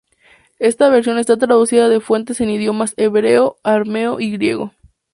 Esta versión está traducida de fuentes en idiomas hebreo, arameo y griego.